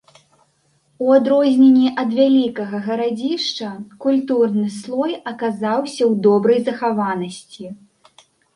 У адрозненне ад вялікага гарадзішча, культурны слой аказаўся ў добрай захаванасці.